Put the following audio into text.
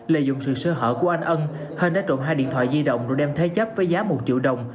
lợi dụng sự sơ hở của anh ân hân đã trộm hai điện thoại di động rồi đem thế chấp với giá một triệu đồng